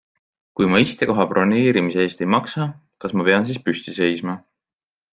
Kui ma istekoha broneerimise eest ei maksa, kas ma pean siis püsti seisma?